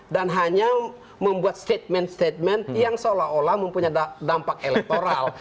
dan hanya membuat statement statement yang seolah olah mempunyai dampak elektoral